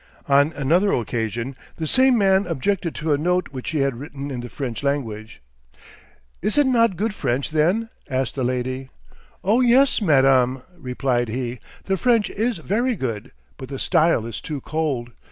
On another occasion the same man objected to a note which she had written in the French language. "Is it not good French, then?" asked the lady. "Oh, yes, madam," replied he; "the French is very good, but the style is too cold.